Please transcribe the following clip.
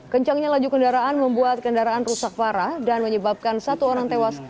kencangnya laju kendaraan membuat kendaraan rusak parah dan menyebabkan satu orang tewas